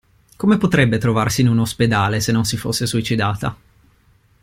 Come potrebbe trovarsi in un ospedale, se non si fosse suicidata?